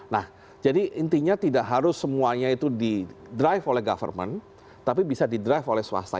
nah jadi intinya tidak harus semuanya itu di drive oleh government tapi bisa di drive oleh swasta